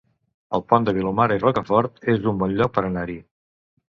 El Pont de Vilomara i Rocafort es un bon lloc per anar-hi